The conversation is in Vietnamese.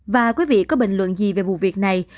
và quý vị có bình luận gì về vụ việc này